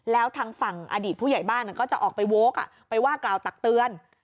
แล้วทางฝั่งอดีตผู้ใหญ่บ้านก็จะออกไปโว๊คไปว่ากล่าวตักเตือน